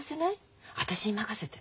私に任せて。